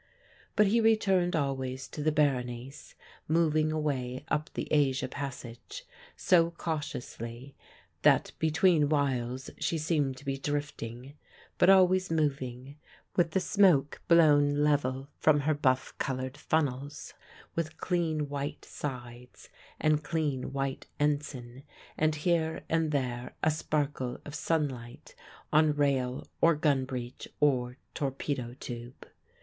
But he returned always to the Berenice moving away up the Asia passage, so cautiously that between whiles she seemed to be drifting; but always moving, with the smoke blown level from her buff coloured funnels, with clean white sides and clean white ensign, and here and there a sparkle of sunlight on rail or gun breech or torpedo tube.